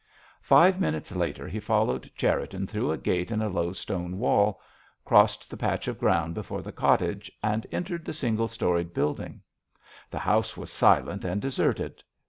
Five minutes later he followed Cherriton through a gate in a low stone wall, crossed the patch of ground before the cottage, and entered the single storied building. The house was silent and deserted.